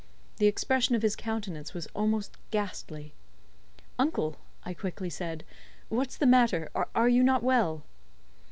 The expression of his countenance was almost ghastly. "Uncle," I quickly said, "What's the matter? Are you not well?"